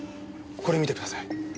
これ見てください。